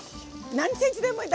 何センチでもいい。